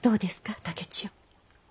竹千代。